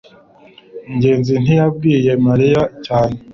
ngenzi ntiyabwiye mariya cyane